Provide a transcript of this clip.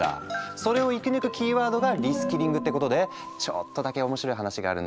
それを生き抜くキーワードがリスキリングってことでちょっとだけ面白い話があるんだよ。